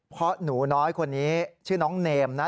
เพราะหนูน้อยคนนี้ชื่อน้องเนมนะ